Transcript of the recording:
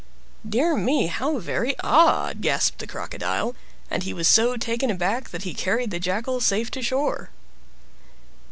"Dear me! how very odd!" gasped time Crocodile; and he was so taken aback that he carried the Jackal safe to shore.